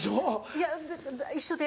いや一緒で。